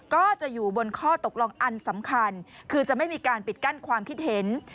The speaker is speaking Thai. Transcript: ก็จะอยู่บนข้อตกลงอันสำคัญคือจะไม่มีการปิดกั้นความคิดเห็น